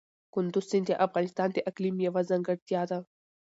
کندز سیند د افغانستان د اقلیم یوه ځانګړتیا ده.